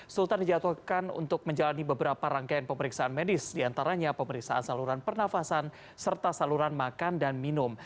sultan dijadwalkan untuk menjalani beberapa rangkaian pemeriksaan medis diantaranya pemeriksaan saluran pernafasan serta saluran makan dan minum